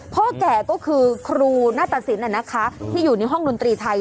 พ่อแก่ก็คือครูนาตสินที่อยู่ในห้องดนตรีไทย